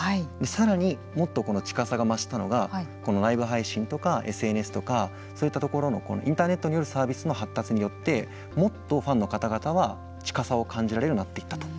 さらにもっとこの近さが増したのがライブ配信とかＳＮＳとかそういったところによるサービスの発達によってもっとファンの方々は近さを感じられるようになっていったと。